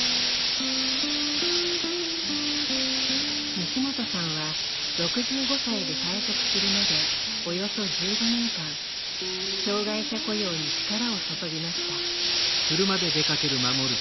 西本さんは６５歳で退職するまでおよそ１５年間障害者雇用に力を注ぎました。